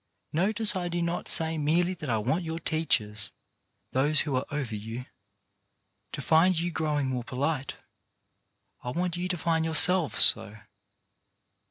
Notice I do not say merely that I want your teachers — those who are over you — to find you growing more polite ; I want you to find yourselves so.